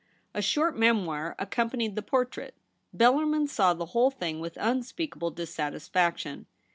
A short memoir accompanied the portrait. Bellarmin saw the whole thing with unspeakable dissatisfaction.